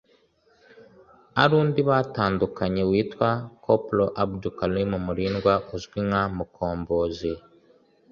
ari undi batandukanye witwa Corporal Abdu Karim Mulindwa uzwi nka Mukombozi